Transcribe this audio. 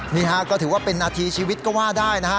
นี่ฮะก็ถือว่าเป็นนาทีชีวิตก็ว่าได้นะฮะ